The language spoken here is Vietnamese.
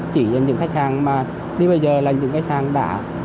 chỉ những khách hàng mà đi bây giờ là những khách hàng đã